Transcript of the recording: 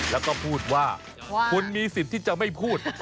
แล้วก็พูดว่าคุณมีสิทธิ์ที่จะไม่พูด